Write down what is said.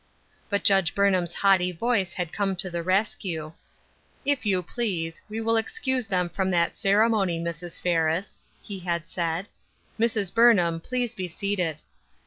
But Judge Burnham's haughty voice had come to the rescue :" If you please, we will excuse them from that ceremony, Mrs. Ferris," he had said. " Mrs. Burnham, please be seated."